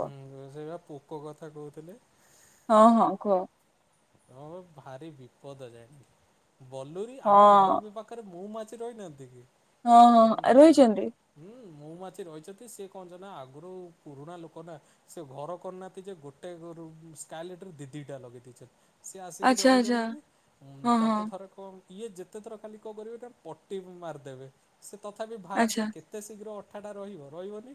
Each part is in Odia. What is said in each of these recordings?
ହୁଁ ସେଇ ବା ପୋକ କଥା ଥା କହୁଥିଲେ। ହଁ ହଁ କୁହ। ହଁ ବା ଭାରି ବିପଦ ଯାଣି। ବଲୁରୀ ଆମ ଘର ବି ପାଖରେ ମହୁମା ଛି ରହିନାହାନ୍ତି କି? ହଁ ହଁ ଆଉ ରହିଛନ୍ତି। ମହୁମାଛି ରହିଛନ୍ତି ସେ କଣ ଯେ ନା ଆଗରୁ ପୁରୁଣା ଲୋକ ନା ସେ ଘର କରନାହାନ୍ତି ଯେ ଗୋଟେ ରୁ ସ୍କାଆଇଲଟରେ ଦି ଦିଇଟା ଲଗେଇ ଦେଇଛନ୍ତି ସିଏ ଆସିକି ରହିଗଲେଣି ଉଁ ତାକୁ ଥର କଣ ଇଏ ଯେତେ ଥର ଖାଲି କଣ କରିବେ ନା ପଟି ମାରିଦେବେ ସେ ତଥାପି ବାହାରି ଯାଏ କେତେ ଶୀଘ୍ର ଅ ଠା ଟା ରହିବ ରହିବନି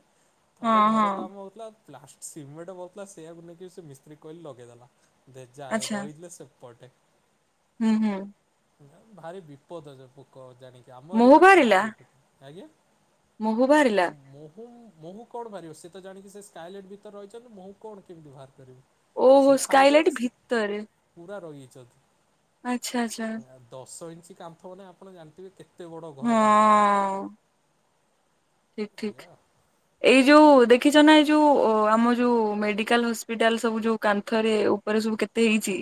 ଥରେ ଘର କାମ ହଉଥିଲା ଲାଷ୍ଟ କୁ ସିମେଣ୍ଟ ବସ୍ତା ସେଇଆକୁ ନେଇକି ସେ ମିସ୍ତ୍ରୀ କୁ କହିଲି ଲଗେଇ ଦେଲା। ଆଚ୍ଛା। ସେ ପଟେ। ହୁଁ ହୁଁ। ଭାରି ବିପଦ ପୋକ ଜାଣିି ଆମରିର ପ୍ରାୟ ଆଜ୍ଞା। ମୋହୁବାରିଲା। ମହୁ କଣ ବାହାରିବ ସେ ତ ଜାଣିକି ସେ ସ୍କାଇଲେଟ୍ ଭିତରେ ରହିଛନ୍ତି ମହୁ କଣ କେମିତି ବାହାର କରିବ। ଓହୋ ସ୍କାଇଲାଇଟ୍ ଭିତିତରେ ପୁରା ରହିଛନ୍ତି। ଆଚ୍ଛା ଆଚ୍ଛା। କିଛି କାମ୍ଫ ମେ ଆପଣ ଜାଣିଥିବ କେତେ ଏତେ ବଡ଼ ଘର ତାଙ୍କ ପାଇଁ ଠିକ୍ ଠିକ୍। ଏଇ ଯୋଉ ଦେଖିଛ ନା ଏଇ ଯୋଉ ଆମ ଯୋଉ ମେଡିକାଲ ହସ୍ପିଟାଲ ସବୁ ଯୋଉ କାନ୍ଥରେ ଉପରେ ସବୁ କେ ହେଇଛି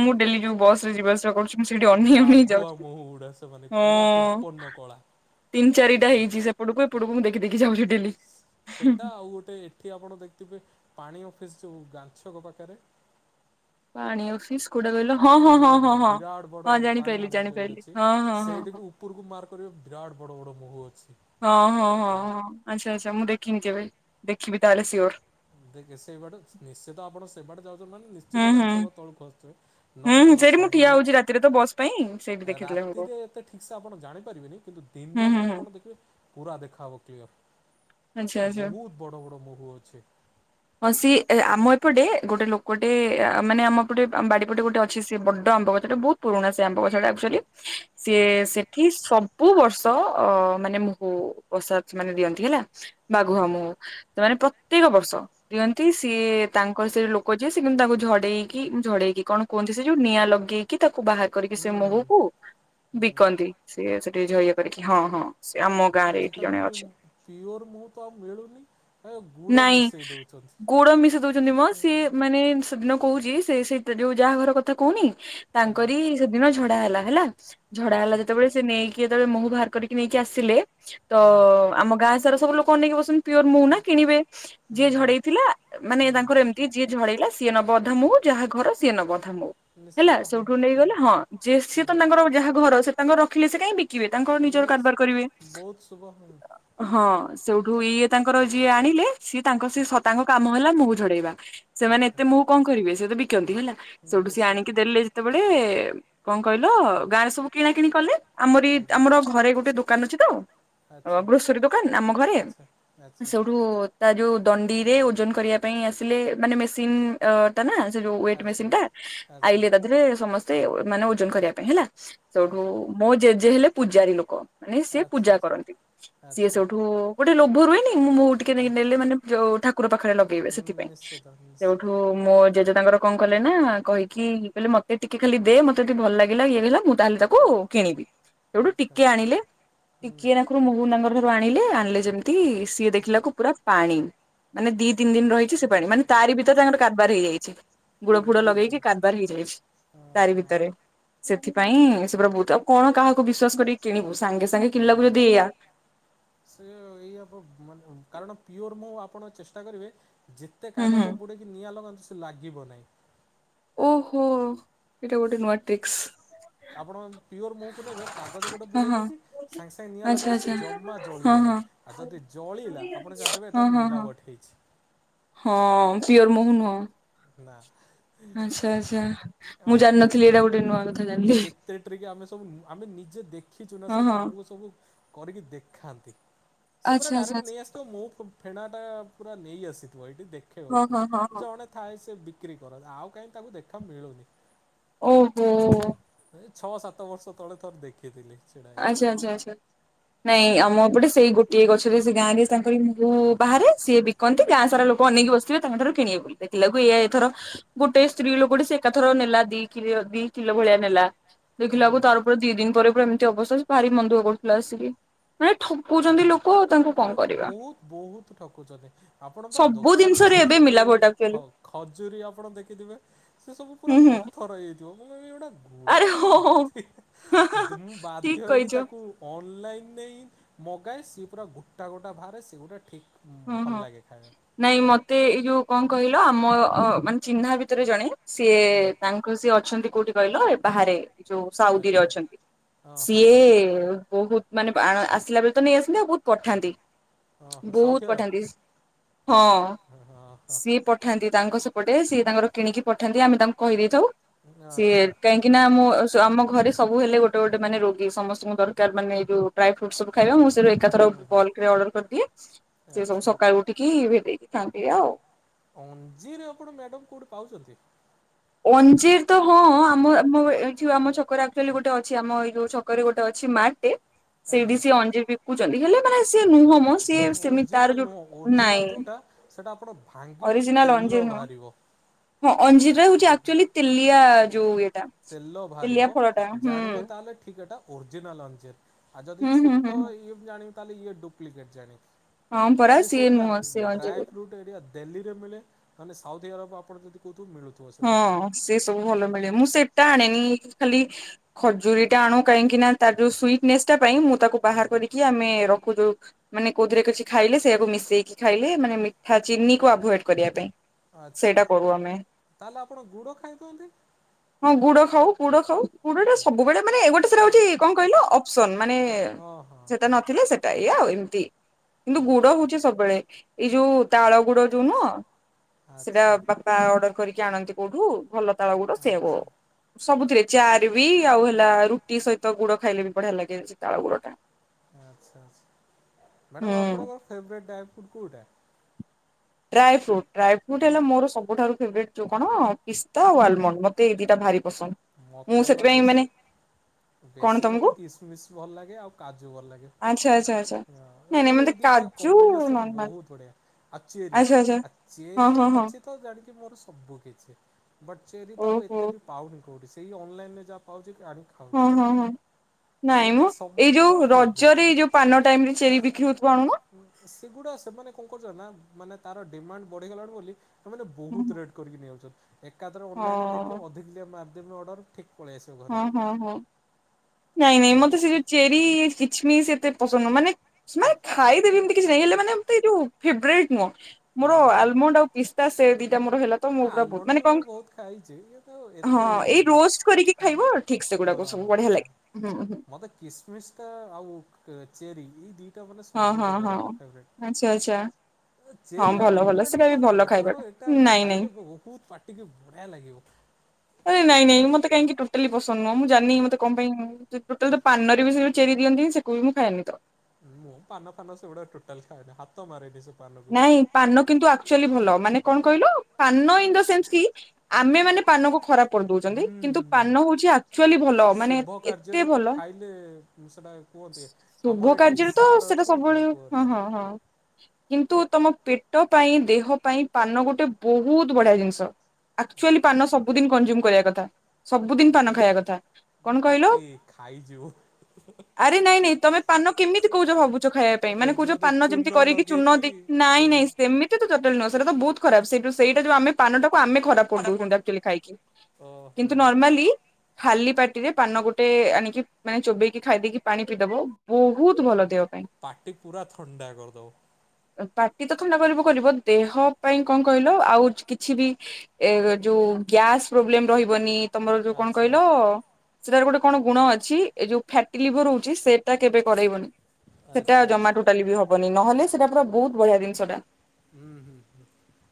ମୁଁ ଡେଲି ଯଉ ବସ୍ ଯିବା ଆସିବା କରୁଛନ୍ତି। ସେଠି ଅନେଇ ଅନେଇ ଯାଉଛି ହଁ ତିନି ଚାରି ହେଇଛି ସେପଟକୁ ଏପଟକୁ ଦେଖି ଦେଖି ଯାଉଛି ଡେଲି। ସେଟା ଆଉ ଗୋଟେ ଏଠି ଆପଣ ଦେଖିଥିବେ ପାଣି ଅଫିସ୍ ଯୋଉ ଗାନ୍ଧୀ ଛକ ପାଖରେ ପାଣି ଅଫିସ ଏ ଯୋଉ ବିରାଟ ବଡ ପାଣି ଆମର ଯୋଉ ଅଛି ସେଇଠି ବି ଉପରକୁ ମାର କରିବା ବିରାଟ ବଡ ବଡ ମୁହୁ ଅଛି। ହଁ ହଁ ହଁ ହଁ ଆଚ୍ଛା ଆଚ୍ଛା ମୁଁ ଦେଖିନି ଯେବେ ଦେଖିବି ତାହେଲେ ସିଓର। ଦେଖେ ସେଇ ବାଡେ ନିଶ୍ଚିତ ତ ଆପଣ ସେଇ ବାଟେ ଯାଉଚନ୍ତି ମାନେ ନି ଶ୍ଚିତ [unintelligible] ତଳୁ କର। ନ ଉ ସନ୍ଧି ରାତିରେ ଏତେ ଠିକ ସେ ଆପଣ ଜାଣିପାରିବେନି କିନ୍ତୁ ଦିନ ବେଳେ ଆପଣ ଦେଖିବେ ପୁରା ଦେଖାହବ କ୍ଲିୟର। ଆ ବହୁତ ବଡ ବଡ ମହୁ ଅଛି। ହଁ ସିଏ ଏ ଆମ ଏପଟେ ଗୋଟେ ଲୋକଟେ ଆ ମାନେ ଆମ ଏପଟେ ବାଡିପଟେ ଗୋଟେ ଅଛି ସେ ବଡ ଆମ୍ବ ଗଛଟା ବହୁତ ପୁରୁଣା ସେ ଆମ୍ବ ଗଛଟା ଆକ୍ଚୁଆଲି ସିଏ ସେଠି ସବୁ ବର୍ଷ ତ ମାନେ ମହୁ ବସା ମାନେ ଦିଅନ୍ତି ହେଲା। ବାଘୁଆମୁ ସେମାନେ ତ ତେର ବର୍ଷ ଦିଅନ୍ତି ସିଏ ତାଙ୍କର ସେ ଲୋକ ଯିଏ ସେ କିନ୍ତୁ ତାଙ୍କୁ ଝଡେଇକି ଝଡେଇକି କଣ କୁହନ୍ତି ସେ ଯୋଉ ନିଆଁ ଲଗେଇକି ତାକୁ କୁ ବାହା କରିକି ସେ ମହୁକୁ ବିକନ୍ତି ସିଏ ସେଠି ଯୋଉ ୟେ କରିକି ହଁ ହଁ। ସେ ଆମ ଗାଁରେ ଏଠି ଜଣେ ଅଛି। ନାଇଁ ଗୁଡ ମିଶାଇ ଦଉଚନ୍ତି ମ ସିଏ ମାନେ ଦିନ କହୁଚି ସେଇ ସେ ତ ଯୋଉ ଯାହା ଘର କଥା କହୁନି ତାଙ୍କରି ସେଦିନ ଝଡା ହେଲା। ହେଲା। ଝଡା ହେଲା ଯେତେବେଳେ ସେ ନେଇକି ଇଏ ଯେତେବେଳେ ମହୁ ବାହାର କରିକି ନେଇକି ଆସିଲେ ତ ଆମ ଗାଁ ସବୁ ଲୋକ ଅନେଇକି ବସଚନ୍ତି। ପିଓର ମହୁ ନା କିଣିବେ ଯିଏ ଝଡେଇଥିଲା ମାନେ ତାଙ୍କର ଏମିତି ଯିଏ ଝଡେଇଲା ସିଏ ନବ ଅଧା ମୁଁ ଯାହା ଘର ସିଏ ନବ ଆଧା ମୁଁ ହେଲା ସେଇଠୁ ନେଇଗଲେ ହଁ ସିଏ ସିଏ ତ ତାଙ୍କର ଯାହା ଘର ସେ ତାଙ୍କର ଥିଲେ ସେ କାଇଁ ବି କିବେ ତାଙ୍କର ନିଜର କାରବାର କରିବେ ହଁ। ସେଇଠୁ ଇଏ ତାଙ୍କର ଯିଏ ଆଣିଲେ ସିଏ ତାଙ୍କ ସେ ସ ତାଙ୍କ କାମ ହେଲା ମହୁ ଝଡେଇବା। ସେମାନେ ଏତେ ମହୁ କଣ କରିବେ ସେ ତ ବିକନ୍ତି ହେଲା ସେଇଠୁ ସିଏ ଆଣିକି ଦେଲେ ଯେତେବେଳେ କଣ କହିଲ ଗାଁରେ ସବୁ କିଣା କିିଣି କଲେ। ଆମରି ଆମର ଘରେ ଗୋଟେ ଦୋ କାନୁଛି ତ ଅ ଗ୍ରୋସରୀ ଦୋକାନ। ଘରେ ସେଉଠୁ ତା ଯୋଉ ଦଣ୍ଡିରେ ଓଜନ କରିବା ପାଇଁ ଆସିଲେ ମାନେ ମେସିନ୍ ଅ, ତାନାସ ସେ ଯୋଉ ୱେଟ୍ ମେସିନ୍ ଟା ଆଇଲେ ଏକାଥରେ ସମସ୍ ସେ ମାନେ ଓଜନ କରିବା ପାଇଁ ହେଲା। ସେଉଠୁ ମୋ ଜେଜେ ହେଲେ ପୂଜାରୀ ଲୋକ। ମାନେ ସିଏ ପୂଜା କରନ୍ତି, ସିଏ ସେଉ ଓ ଗୋଟେ ଲୋଭ ରୁହେନି ମୁଁ ମୁଁ ଟିକେ ନେ-ନେଲେ ମାନେ ଯୋଉ ଠାକୁର ପାଖରେ ଲଗେଇବେ, ସେଥିପାଇଁ ସେଉଠୁ ମୋ ଜେଜେ ତାଙ୍କର କଣ କଲେ ନା କହିକି କହିଲ ମୋତେ ଟିକେ ଖାଲି ଦେ ମୋତେ ତୋ ଭଲ ଲାଗିଲା ଇଏ ହେଲା ମୁଁ ତାହେଲେ ତାକୁ କିଣିବି, ସେଉଠୁ ଟିକେ ଆଣିଲେ ଟିକିଏ ନାଖରୁ ମୁହୁ ତାଙ୍କର [unintelligible] ଆଇଲେ ଆଣିଲେ ଯେମିତି ସିଏ ଦେଖିଲାକୁ ପୁରା ପାଣି ମାନେ ଦି ତିନି ଦିନ ରହିଚି ସେ ପାଣି ମାନେ ତାରି ଭିତ ତାଙ୍କର କାରବାର ହେଇଯାଇଛି। ଗୁଡ ଫୁଡ ଲଗେଇକି କାରବାର ହେଇଯାଇଛି, ତାରି ଭିତରେ ସେ ଥିପାଇଁ ସେ ପୁରା ବହୁତ ଆଉ କଣ କାହାକୁ ବିଶ୍ୱାସ କରିକି କିଣିବୁ ସାଙ୍ଗେ ସାଙ୍ଗେ କିନଲାକୁ ଯଦି ଏଇଆ ସେ ଏଇଆ ପ-ମାନେ ଉ, କାରଣ ପିଓର୍ ମୁ ଓ ଆପଣ ଚେଷ୍ଟା କରିବେ ଯେତେ କାଗଜ ବୁଡ଼େଇକି ନିଆଁ ଲଗାନ୍ତୁ ଲାଗିବ ନାହିଁ। ଓହୋ ଏଇଟା ଗୋଟେ ନୂଆ ଟ୍ରିକ୍ସ। ଆପଣ ପିଓର୍ ମହୁକୁ ନେବେ କାଗଜ ଗୋଟେ ବୁଡେଇ ଦେଇକି ସାଙ୍ଗେ ସାଙ୍ଗେ ନିଆଁ ଲଗେଇବେ ସେ ଜମା ଜଳିବ ନାହିଁ, ଆଉ ଯଦି ଜଳିଲା ଆପଣ ଜାଣିଦେବେ ଏଟା ମିଲାବଟ ହେଇଛି। ପିଓର୍ ମହୁ ନୁହଁ। ନା। ଆଉ କେ-ଏ କେତେ ଟ୍ରିକ୍ ଆମେ ସବୁ ଆମେ ନିଜେ ଦେଖିଚୁ ନା ସେଟା ଆମକୁ ସବୁ କରିକି ଦେଖାନ୍ତି ସେ ପୁରା ଡାଇରେକ୍ଟ ନେଇ ଆସିଥିବ ମହୁ ଫ-ଫେଣା ଏ ପୁରା ନେଇ ଆସିଥିବ ଏଇ ଦେ-ଦେଖେଇବା ଲୋକ ଜଣେ ସେ ବିକ୍ରି କରନ୍ତି, ଆଉ କାଇଁ ତାଙ୍କୁ ଦେଖା ମିଳୁନି। ଓହୋ! ଏ ଛଅ ସାତ ବର୍ଷ ତଳେ ଥରେ ଦେଖିଥିଲି। ଆଚ୍ଛା ଆଚ୍ଛା ଆଚ୍ଛା। ନାଇଁ ଆମ ଏପଟେ ସେଇ ଗୋଟିଏ ଗଛ ତେବେ ସେ ଗାଁରେ ତାଙ୍କରି [unintelligible] ବାହାରେ ସିଏ ବିକନ୍ତି ଗାଁ ସାରା ଲୋ କ ଅନେଇକି ବସିଥିବେ ତାଙ୍କ ଠାରୁ କିଣିବାକୁ ବୋଲି ଦେଖିଲା ବେଳକୁ ଏଇଆ ଏଥର ଗୋଟେ ସ୍ତ୍ରୀ ଲୋକଟେ ସେ ଏକାଥର କ ନେଲା ଦିିଲୋ ଦି କିଲୋ ଭଳିଆ ନେଲା। ଦେଖିଲାକୁ ତାର ଉପରେ ଦି ଦିନ ପରେ ପ ଏମି ଏମିତି ଅବସ୍ଥା ଯେ ଭାରି ମନ ଦୁଃଖ କରୁଥିଲା ଆସିକି। କ ଏଁ ବୋହୁତ ବୋହୁତ ଠକୁଚନ୍ତି ଆପଣ ପା ଦୋକାନରେ ଦେଖିଥିବେ ଖ-ଖଜୁରୀ ଆପଣ ଦେଖିଥିବେ ସେ ସବୁ ପୁରା ପଥର ହେଇ ଯା ଯୋମୁ ନାହିଁ ଏଉଡା [unintelligible] ଆରେ ହଁ ହଁ ହଁ ହଁ ହାଁ ହାଁ ହାଁ ଠିକ୍ କହିଚ। ଅନଲାଇନ୍ ନେଇ ମଗାଏ ସିଏ ପୁରା ଗୋଟା ଗୋଟା ବାହାରେ ସେଗୁଡା ଠିକ୍। ହଁ ହଁ ନାଇଁ ମତେ ଏଇ ଯୋଉ କଣ କହିଲ ଆମ ଅ ମାନେ ଚିହ୍ନା ଭିତରେ ଜଣେ ସିଏ ତାଙ୍କର ସିଏ ଅଛନ୍ତି। କୋଉଠି କହିଲ ଏ ବାହାରେ ଯୋଉ ସାଉଦିରେ ଅଛନ୍ତି। ସିଏ ବୋହୁତ ମାନେ ବା ଣ ଆସିଲା ବେଳେ ତ ନେଇ ଆସନ୍ତି ଆଉ ପଠାନ୍ତି ବୋହୁତ ପଠାନ୍ତି ହଁ ସିଏ ପଠାନ୍ତି ତାଙ୍କ ସେ ପଟେ ସିଏ ତାଙ୍କର କିଣିକି ପଠାନ୍ତି। ଆମେ ତାଙ୍କୁ କହିଦେଇ ଥାଉ। ସିଏ କାହିଁକି ନା ମୁଁ ଯ ଆମ ଘରେ- ସବୁ ହେଲେ ଗୋଟେ ଗୋଟେ ମାନେ ରୋଗୀ ସମସ୍ତଙ୍କୁ ଦରକାର ମାନେ ଯୋଉ ଡ୍ରାଇ ଫ୍ରୁଟ୍ସ। ଖାଇବା ମୁଁ ସେ ଏକାଥର ବଲକରେ ଅଡର କରିଦିଏ। ସେ ସବୁ ସକାଳୁ ଉଠିକି- [unintelligible] ଆଉ ଅଞ୍ଜିରେ ଆପଣ ମେକ୍ ଅପ୍ କୋଉଠି ପାଉଛନ୍ତି? ଅଞ୍ଜି - ତ ହଁ ଆମ ଆମ ଏଇଉ ଆମ ଛକର ଆକ୍ଚୁଆଲି ଗୋଟେ ଅଛି ଆମ ଏଇ - ଛକରେ ଗୋଟେ ଅଛି ମାଟେ। ସେଇଠି ସିଏ ଅଞ୍ଜୀ ବିକୁଛନ୍ତି ହେଲେ- ଓରିଜିନାଲ ନୁହଁ ଓରିଜିନାଲ ଯୋଉଟା ସେଟା ଆପଣ ଭାଙ୍ଗିବେ ତେଲ ବାହାରିବ। [inaudible] ଆକଚ୍ୟୁଆଲି ତେଲିଆ ଯୋଉ ଇଏଟା ତେଲିଆ ଫଳଟା ହୁଁ। ଅରିଜିନାଲ୍ ଆଣିଚି ଆଉ ଯଦି ଛୋଟ ଇଏ ମୁଁ ଜାଣି ତାହେଲେ ଇଏ ଡୁପ୍ଲିକେଟ ଜାଣିିକି। ସେ ସେଇଟା ଡ୍ରାଏଫ୍ରୁଟ ଏରିଆ ଡେଲ୍ଲୀରେ ମିଳେ ନହେଲେ ସାଉ ସାଉଦିଆରବ ଆପଣ ଯଦ କୋହୁଥିବେ ମିଳୁ ହଁ ସେ ସବୁ ଭଲ ମିଳେ ମୁଁ ସେଟା ଆଣେନି ଖାଲି ଖଜୁରୀଟା ଆଣୁ କାହିଁକିନା ତାର ଯୋଉ ସୁିଟନେସ୍ ଟା ପାଇଁ ମୁଁ ତାକୁ ବାହାର କରିକି ଆମେ କୋ ଯୋଉ ମାନେ କୋଉଥିରେ କିଛି ଖାଇଲେ ସେଇଆକୁ ମିଶେଇକି ଖାଇଲେ ମାନେ ମିଠା ଚିନି କୁ ଆଭୁଏଡ୍ କରିବା ପାଇଁ ସେଇଟା କରୁ ଆମେ। ହଁ ଗୁଡ ଖାଉ କୁଡ ଖାଉ କୁଡଟା ସବୁବେଳେ ମାନେ ଗୋଟେ ସେରା ହଉଛି କଣ କହିଲ ଅପସନ୍। ମାନେ ସେଟା ନଥିଲେ ସେଟା ଏଇଆ ଏମିତି। କିନ୍ତୁ ଗୁଡ ହୋଉଚି ସବୁବେଳେ ଏଇ ଯୋଉ ତାଳ ଗୁଡ ଯୋଉ ନୁହଁ। ସେଟା ବାପା ଅଡର୍ ଆଣନ୍ତି କୋଉଠୁ ଭଲ ତାଳ ଗୁଡ ସେଇଆକୁ ସବୁଥିରେ ଚା ରେ ବି ଆଉ ହେଲା ରୁଟି ସହିତ ଗୁଡ ଖାଇଲେ ବି ବଢିଆ ଲାଗେ ସେ ତାଳ ଗୁଡଟା। ଆଚ୍ଛା ଆଚ୍ଛା ମ୍ୟାଡମ୍ ଆପଣଙ୍କର ଫେବ୍ରାଇଟ୍ ଡା ଫ୍ରୁଡ଼ କୋଉଟା? ଡ୍ରାଏଫ୍ରୁଟ୍। ଡ୍ରାଏଫ୍ରୁଟ୍ ହେଲା ମୋର ସବୁଠାରୁ ଫେବ୍ରେଟ ଯୋଉ କଣ ପିସ୍ତା ଆଲମଣ୍ଡ ମତେ ଏଇ ଦିଟା ଭାରି ମତେ ହେଲା ବେଶ ବେଶୀ ମତେ କିସମିସ ଭଲ ଲାଗେ ଆଉ କାଜୁ ଭଲ ଲାଗେ ମୋର ଏଇ ଦିଟା କମ୍ବିନେସନ ବହୁତ ବଢିଆ। ଚେରି ଆ ଚେରି ଅଛି ତ ଜାଣି ମୋର ସବୁ କିଛି। ବଟ୍ ଚେରିତ ଆଉ ଏତେ ବି ପାଉନି। କୋଉଠି ସେଇ ଅନଲାଇନ ରେ ଯାହା ପାଉଚି। ହଁ ହଁ ହଁ ନାଇଁ ମ ଏଇ ଯୋଉ ରଜରେ ଏଇ ଯୋଗୁଁ ପାନ ଟାଇମ ରେ ଚେରି ବିକ୍ରି ହୋଉଥିବ ଆ ସେଗୁଡା ସେମାନେ କଣ କରୁଚନ୍ତି ନା ମାନେ ତାର ଡିମାଣ୍ଡ ବଢିଗଲାଣି ବୋଲି- ସେମାନେ ବହୁତ ରେଟ୍ କରିକି ନେଇ ଯାଉଛନ୍ତି। ଏକା ଥରେ ଅନଲାଇନ ଦେଖେ ଅଧିକିଲିଆ ମା- ଅର୍ଡର ଠିକ୍। ହଁ ହଁ ହଁ। ନାଇଁ ନାଇଁ ମୋତେ ସେ ଚେରି- ଛି ସେତେ ପସନ୍ଦ ମାନେ- ସେମାନେ ଖାଇଦେବେ ଏମିତି କିଛି ନାଇଁ ହେଲେ ଏମିତି ଯୋଉ- ଫେବରାଇଟ ନୁହଁ। ମୋର ଆଲମଣ୍ଡ ଆଉ ପିସ୍ତା ସେ ଦି- ଏଟା ମୋର ହେଲାତ ମୁଁ ପୁରା ବହୁତ ମାନେ କଣ ହଁ ଏଇ ରୋଷ୍ଟ କରିକି। ହଁ ମୋତେ କିସ୍ ମିସ୍ ଟା ଆଉ ଚେରି- [inaudible] ଏଇଟା ମାନେ ସବୁଠୁ ମୋର ଫେଭରେଟ। ଚେରି ଆପଣଙ୍କୁ ମେଡମ ଭଲ ଲାଗେନା କାରଣ ଏଟା ଖାଇଲେ ବହୁତ ପାଟିକି ବଢିଆ ଲାଗିବ। ଜାିଣିନି ମୋତେ କଣ ପାଇଁ ଇଁ- ଟୋଟାଲ ତ ପାନରେ ବି ସେଇ ଚେରି ଦିଅନ୍ତିି ସେ କୁହେ ମୁଁ ଖାଏନି। ମୁଁ ପାନ ଫାନ ସେଗୁଡା ଟୋଟାଲ ଖାଏନା ହାତ ମାରେନି ସେ ନାଇଁ ପାନ କିନ୍ତୁ ଆକ୍ଚୁଆଲି ଭଲ ମାନେ କଣ କହିଲ। ପାନ ଇନ ସେମତି। ଆମେ ମାନେ ପାନକୁ ଖରାପ କରିଦଉଛନ୍ତି କିନ୍ତୁ ପାନ ହଉଛି ଆକଚୁଆଲି ଭଲ ମାନେ ଏତେ ଭଲ। ଶୁଭ କାର୍ଯ୍ୟରେ ତ ସେଟା ସବୁବେଳେ ହଁ ହଁ ହଁ। କିନ୍ତୁ ତମ ପେଟ ପାଇଁ ଦେହ ପାଇଁ ପାନ ଗୋଟେ ବହୁତ ବଢିଆ ଜିନିଷ। ଆକଚୁଆଲି ପାନ ସବୁଦିନ କନଜ୍ୟୁମ କରିବା କଥା ସବୁଦିନ ପାନ ଖାଇବା କଥା। କଣ କହିଲ ଆରେ ନାଇଁ ନାଇଁ ତମେ ପାନ କେମିତି କହୁଛ ଭାବୁଛ ଖାଇବା ପାଇଁ ମାନେ କହୁଛ ପାନ ଯେମିତି କରିକି। ଚୁନ ଦେଇକି ନାଇଁ ନାଇଁ ସେମିତି ତ ଟୋଟାଲ ନୁହଁ। ଯଉଟା ତ ବହୁତ ଖରାପ ସେଇ ସେଇଟା ଯଉ ଆମେ ପାନଟା- ଆମେ ଖରାପ କରିଦଉଛନ୍ତି ଆକ୍ଚୁଆଲି ଖାଇକି କିନ୍ତୁ ନର୍ମାଲି ଖାଲି- ପାଟିରେ ପାନ ଗୋଟେ ଆଣିକି ମାନେ ଚୋବେେଇକି ଖାଇଦେଇକି ପାଣି ପିଇଦବ ବହୁତ ଭଲ ଦେହ ପାଇଁ। ପାଟି ପୁରା ଥଣ୍ଡା କରିଦବ। ପାଟି ତ ଥଣ୍ଡା କରିବ କରିବ ଦେହ ପାଇଁ କଣ କହିଲ ଆଉ କିଛି ବି ଏ ଯୋଉ ଗ୍ୟାସ୍ ପ୍ରୋବ୍ଲେମ ରହିବନି। ତମର ଯୋଉ କଣ କହିଲ ଅ। ସେଟାର ଗୋଟେ କଣ ଗୁଣ ଅଛି ଏ ଯୋଉ ଫ୍ୟାଟି ଲିଭର ହଉଛି ସେଇଟା କେବେ କରେଇବନି। ସେଟା ଆଉ ଜମା ଟୋଟାଲି ବି ହବନି ନହେଲେ ସ ହୁଁ ହୁଁ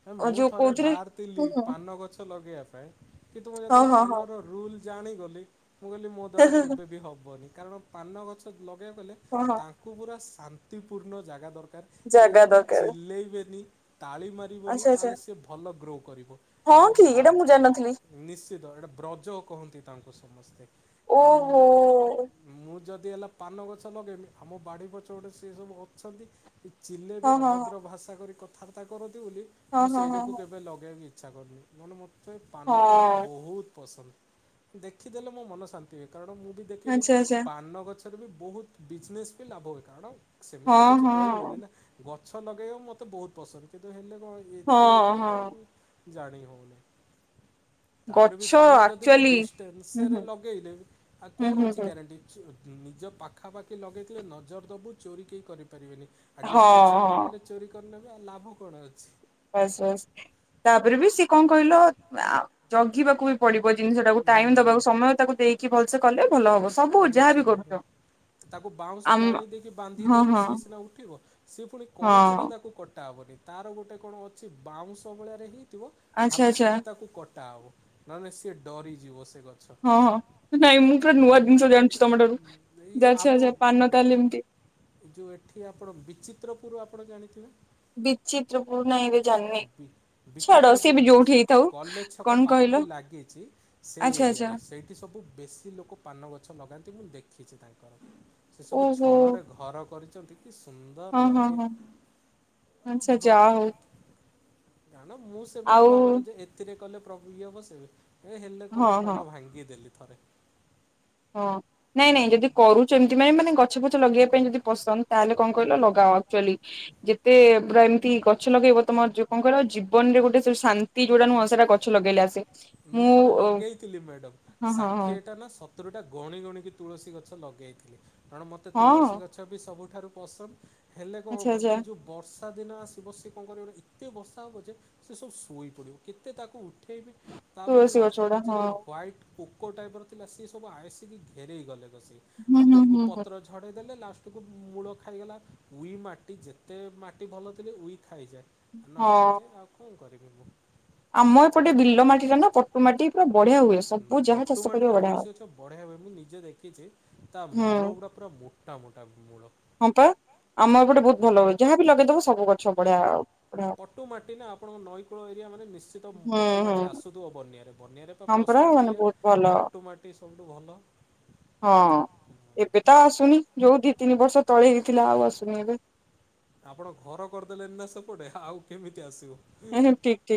ହୁଁ ମୁଁ ଥରେ ବାହାର ଥିଲି ପାନ ଗଛ ଲଗେଇବା ପାଇଁ କିନ୍ତୁ ମୁଁ ଯେତେବେଳେ ପାନର ରୁଲ ଜାଣିଗଲି ମୁଁ କହିଲି ମୋ ଦ୍ୱାରା କେବେ ବି ହବନି। କାରଣ ପାନ ଗଛ ଲଗାଇ ଦେଲେ ତାକୁ ପୁରା ଶାନ୍ତିପୂର୍ଣ୍ଣ ଜାଗା ଦରକାର କେହି ଯଦି ଚିଲେଇବେନି ତାଳି ମାରିବନି ତାହେଲେ ସି ଭଲ ଗ୍ରୋ କରିବ ଆଉ ଯଦି ନିଶ୍ଚିତ ଏଇଟା ବ୍ରଜ କହନ୍ତି ତାଙ୍କୁ ତ ସମସ୍ତେ ଆମ ମୁଁ ଯଦି ହେଲା ପାନ ଗଛ ଲଗାଇମି ଆମ ବାଡ଼ି ପଛ ଗୋଟେ ସେ ସବୁ ଅଛନ୍ତି। ଚିଲେ ବି ଅଭଦ୍ର ଭାଷା କରି ଥାତା କରନ୍ତି। ବୋଲି ମୁଁ ସେ ଯୋଗୁକୁ କେବେ ଲଗେଇବି ଇଚ୍ଛା କରୁନୀ ନହେଲେ ମୋ ତ ଏ ପାନ ଗଛ ବହୁତ ପସନ୍ଦ ଦେଖିଦେଲେ ମୋ ମନ ଶାନ୍ତି ହୁଏ। କାରଣ ମୁଁ ବି ଦେଖିଲି ପାନ ଗଛ ବି ବହୁତ ବିଜନେସ ଫିଲ ଲାଭବଏ କାରଣ ସେମିତି ତ କିଛି କହିବେନି ନା ଛ ଲଗେଇବାକୁ ମତେ ବହୁତ ପସନ୍ଦ କିନ୍ତୁ ହେଲେ ଏତେ ଏଇଏ ପାଇ ଜାଣି ହଉନି। ତାପରେ ବି ପାନ ଯଦି ବି ଡିଷ୍ଟେନ୍ସରେ ଲଗେଇଲେ ଆଉ କଣ ଅଛି ଗ୍ୟାରେଣ୍ଟି ନିଜ ପାଖାପାଖି ଲଗେଇ ଥିଲେ ନଜର ଦେବୁ ଚୋରି କେହି କରିବ ପିବେନି ଆଉ ଡିଷ୍ଟାନ୍ସରେ ଲଗେଇଲେ ଚୋରି କରିନେ ପୁରା ଲାଭ କଣ ଅଛି? ବାସ ବାସ୍ ତାପରେ ବି ସେି କଣ କହିଲ ଜଗିବାକୁ ବି ପଡିବ ଜିନିଷ ଟାକୁ ଟାଇମ୍ ଦବାକୁ ସମୟ ତାକୁ ଦେଇକି ଭଲ ସେ କଲେ ନିଶ୍ଚିତ ହଁ ତାକୁ ବାଉଁଶ କାଣି ଦେଇକି ବାନ୍ଧିଲେ ସି ସିନା ଉଠିବ ସିଏ ପୁଣି କଇଁଚିରେ ତାକୁ କଟା ହବନି। ତାର ଗୋଟେ କଣ ଅଛି ବାଉଁଶ ଭଳିରେ ହିଁ ହାଲକେଇକି ତାକୁ କଟା ହବ ନହଲେ ସେ ଡରି ଯିବ ସେ। ହଁ ହଁ ନାଇଁ ମୁଁ ପୁରା ନୂଆ ଜିନିଷ ଆଣୁୁ ତମ ଠାରୁ ଯଛ ଆଛ ପାନ ତାହେଲେ ଏମତି। ବରୁ ଆପଣ ଜାଣିଥିବେ। ବିଚିତ୍ରପୁର କଲେଜ ଛକ ପାଖକୁ ଲାଗିଛି ସେଇ ଏରିଆରେ ସେଇଠି ସବୁ ବେଶୀ ଲୋକ ପାନଗତ ଲଗାନ୍ତି ମୁଁ ଦେଖିଛି ତାଙ୍କର ସେ ସବୁ ଛଣ ରେ ଘର କରି ଛନ୍ତି। କି ସୁନ୍ଦର ଲାଗେ ଆଉ ଭ ନା ନା ମୁଁ ସେମିତି ଭାବେନି ଯେ ଏଥିରେ କଲେ ଇଏ ବସେଇବେ। ଏ ହେଲେ କଣ ନା ମନ ଭାଙ୍ଗି ଦେଲି ଥରେ ହଁ ନାଇଁ ନାଇଁ ଯଦି କରୁଚ ଥିବେ ମାନେ ଗ ଗଛ ପଛ ଲଗେଇବା ପାଇଁ ଯଦି ପସନ୍ଦ ତାହେଲେ କଣ କହିଲ ଲଗାଅ ଆକ୍ଚୁଆଲି। ଯେତେ ପୁରା ଏମିତି ଗଛ ଲଗେଇବ ତମର ଯୋଉ କଣ କହିଲ ଜୀବନରେ ଗୋଟେ ଯୋଉ ଶାନ୍ତି ଯୋଉଟା ନୁହଁ ସେଇଟା ଗଛ ଲଗେଇଲେ ଆସେ। ମୁଁ ଥରେ ଲଗେଇଥିଲି ମ୍ୟାଡାମ ଷାଠିଏ ଟା ନା ସ ତୁରୀଟା ଗଣି ଗଣିକି ତୁଳସୀ ଗଛ ଲଗେଇଥିଲି। କାରଣ ମତେ ତୁଳସୀ ଗଛ ବି ସବୁ ଠାରୁ ପସନ୍ଦ ହେଲେ କଣ ହବ ଏଇ ଯୋଉ ବସ ର୍ଷାଦିନ ଆସିବ ସେ କଣ କରିବ ନା ଏତେ ବର୍ଷା ହବ ଯେ ସେ ସବୁ ଶୋଇ ପଡ଼ିବ କେତେ ତାକୁ ଉଠେଇବି ତାପରେ ଲାଷ୍ଟ କୁ ମଝିରେ ହ୍ଵାଇଟ ପୋକୋ ଟାଇପ ର ଥିଲା ସିଏ ସବୁ ଆ ସିକି ଘେରେଇ ଗଲେ। ବସିକି ଆଉ ପୋକ ପତ୍ର ଝଡେଇ ଦେଲେ ଲାଷ୍ଟ କୁ ମୂଳ ଖାଇଗଲା ଉଇ ମାଟି ଯେତେ ମାଟି ଭଲ ଥିଲେ ଉଇ ଖାଇଯାଏ ଆଉ ନଷ୍ଟ ହେଇଯାଏ ଆଉ କଣ କରିବି। ମେଘ ଆମ ଏପଟେ ବିଲମ୍ [unintelligible] ପଟୁ ମାଟି ପୁରା ବଢିଆ ହୁଏ ସବୁ ଯାହା ଚାଷ କରିବ ବଢିଆ ହବ। ହୁଁ ହଁ ପା ଆମ ଏପଟେ ବହୁତ ଭଲ ହୁଏ ଯାହାବି ଲଗେଇଦବ ସବୁ ଗଛ। ବଢିଆ ଆଉ। ପଟୁ ମାଟି ନା ଆପଣଙ୍କ ନଈ କୂଳ ଏରିଆ ମାନେ ନିଶ୍ଚିତ ପଟୁ ମାଟି ଆସୁଥିବ ବନ୍ୟାରେ। ବନ୍ୟାରେ ତ ପ୍ଲସ୍ ପଏଣ୍ଟ୍ ଏଇଆ ପଟୁମାଟି ସବୁଠୁ ଭଲ। ହଁଅଅ ଏବେ ତ ଆସୁନି ଯୋଉ ଦି ତିନି ବର୍ଷ ତଳେ ହେଇଥିଲା ଆଉ ଆସୁନି ଏବେ। ଆପଣ ଘର କରିଦେଲେଣିି ନା ସେପଟେ ଆଉ କେମିତି ଆସିବ। ହେଁ ଠିକ୍ ଠିକ୍।